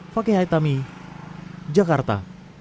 fakih haithami jakarta